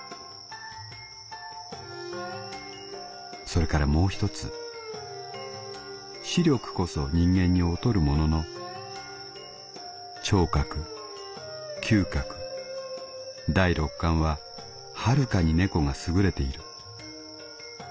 「それからもうひとつ視力こそ人間に劣るものの聴覚嗅覚第６感ははるかに猫が優れている」。